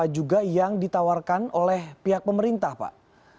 juga yang ditawarkan oleh pihak pemerintah pak